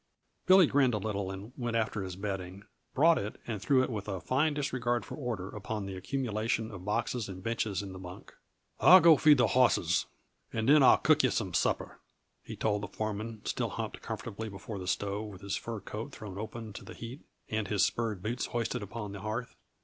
Billy grinned a little and went after his bedding, brought it and threw it with a fine disregard for order upon the accumulation of boxes and benches in the bunk. "I'll go feed the hosses, and then I'll cook yuh some supper," he told the foreman still humped comfortably before the stove with his fur coat thrown open to the heat and his spurred boots hoisted upon the hearth.